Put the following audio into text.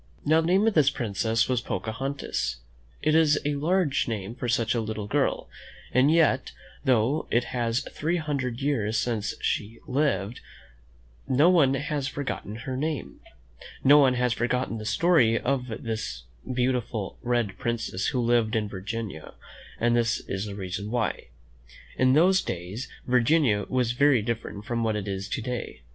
Now, the name of this princess was Pocahon tas. It is a large name for such a little girl; and yet, though it is three hundred years since she lived, no one has forgotten her name. No one has forgotten the story of the beautiful red prin cess who lived in Virginia, and this is the reason why: In those days Virginia was very different from what it is to day.